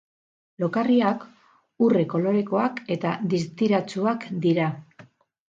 Lokarriak urre-kolorekoak eta distiratsuak dira.